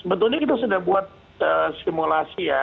sebetulnya kita sudah buat simulasi ya